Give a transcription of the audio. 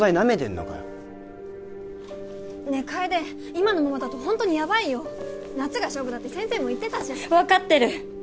今のままだとホントにヤバいよ夏が勝負だって先生も言ってたじゃん分かってる！